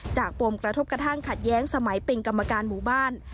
ปมกระทบกระทั่งขัดแย้งสมัยเป็นกรรมการหมู่บ้าน